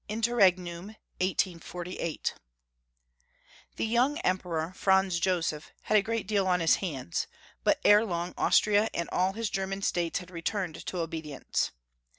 INTERREGNUM, 184a THE young Emperor, Franz Joseph, had a great deal on his hands, but ere long Austria and all his German states had returned to obedi ence.